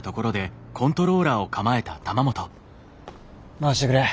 回してくれ。